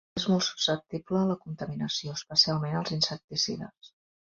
És molt susceptible a la contaminació, especialment als insecticides.